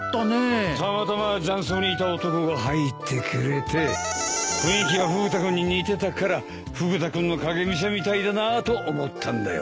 たまたまジャン荘にいた男が入ってくれて雰囲気がフグ田君に似てたからフグ田君の影武者みたいだなと思ったんだよ。